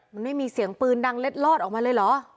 มันไม่มีเสียงปืนดังเล็ดลอดออกมาเลยเหรอ